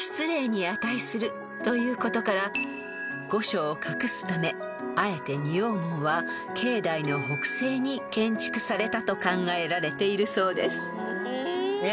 ［御所を隠すためあえて仁王門は境内の北西に建築されたと考えられています］